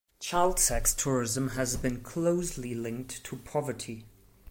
Child sex tourism has been closely linked to poverty.